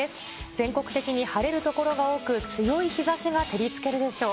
全国的に晴れる所が多く、強い日ざしが照りつけるでしょう。